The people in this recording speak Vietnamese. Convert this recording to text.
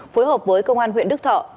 phối hợp với công an huyện đức thọ